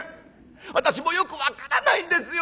私もよく分からないんですよ。